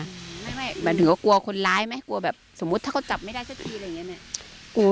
ไม่ไม่แบบถึงก็กลัวคนร้ายไหมกลัวแบบสมมุติถ้าเขาจับไม่ได้เจอทีอะไรอย่างเงี้ยเนี้ย